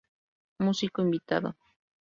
Músico invitado